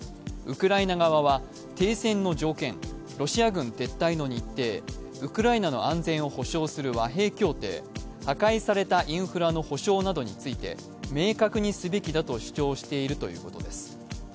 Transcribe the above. ウクライナ側は停戦の条件、ロシア軍撤退の日程、ウクライナの安全を保障する和平協定、破壊されたインフラの補償などについて明確にすべきだと主張しているということです。